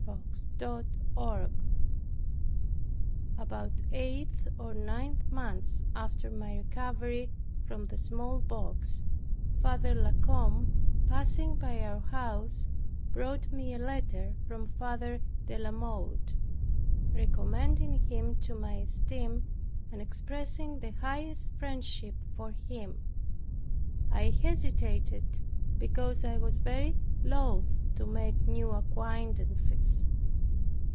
CHAPTER 18 About eight or nine months after my recovery from the smallpox, Father La Combe, passing by our house, brought me a letter from Father de la Motte, recommending him to my esteem, and expressing the highest friendship for him. I hesitated because I was very loath to make new acquaintances.